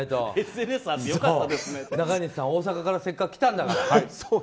中西さん、大阪からせっかく来たんだから。